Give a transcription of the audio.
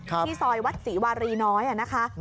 ที่ซอยวัดศรีวารีน้อยนะคะ